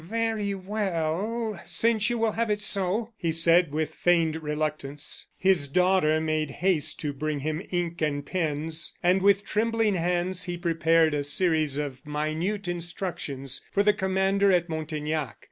"Very well; since you will have it so," he said, with feigned reluctance. His daughter made haste to bring him ink and pens, and with trembling hands he prepared a series of minute instructions for the commander at Montaignac.